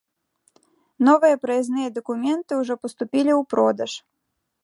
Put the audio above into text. Новыя праязныя дакументы ўжо паступілі ў продаж.